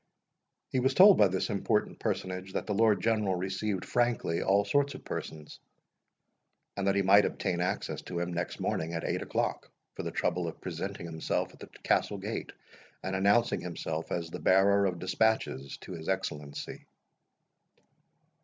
He was told by this important personage, that the Lord General received frankly all sorts of persons; and that he might obtain access to him next morning, at eight o'clock, for the trouble of presenting himself at the Castle gate, and announcing himself as the bearer of despatches to his Excellency.